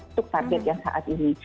untuk target yang saat ini